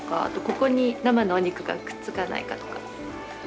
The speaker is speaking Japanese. あとここに生のお肉がくっつかないかとか。